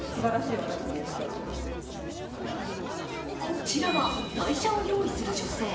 こちらは台車を用意する女性。